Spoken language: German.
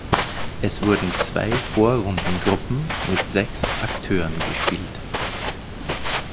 Es wurden zwei Vorrundengruppen mit sechs Akteuren gespielt.